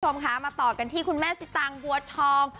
คุณผู้ชมคะมาต่อกันที่คุณแม่สิตางบัวทอง